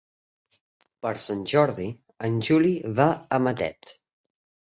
Per Sant Jordi en Juli va a Matet.